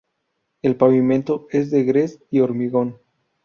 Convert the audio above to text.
El pavimento es de gres y hormigón.